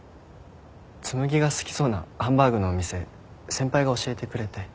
紬が好きそうなハンバーグのお店先輩が教えてくれて。